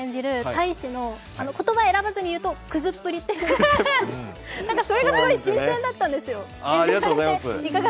大志の、言葉を選ばず言うとくずっぷりという感じ、それがすごい新鮮だったんです。